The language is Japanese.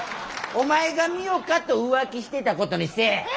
お前が美代香と浮気してたことにせえ。